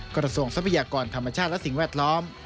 กระทรวงทรัพยากรธรรมชาติและสิ่งแวดล้อม